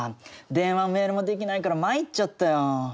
電話もメールもできないからまいっちゃったよ。